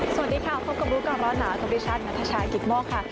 สวัสดีค่ะพบกับรู้ก่อนร้อนหนาวกับดิฉันนัทชายกิตโมกค่ะ